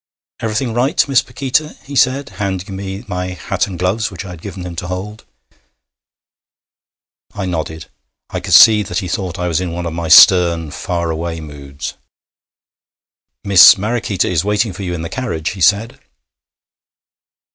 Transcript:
'Everything right, Miss Paquita?' he said, handing me my hat and gloves, which I had given him, to hold. I nodded. I could see that he thought I was in one of my stern, far away moods. 'Miss Mariquita is waiting for you in the carriage,' he said.